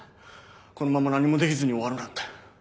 このまま何もできずに終わるなんて。